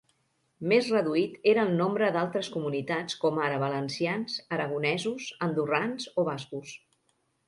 Més reduït era el nombre d'altres comunitats com ara valencians, aragonesos, andorrans o bascos.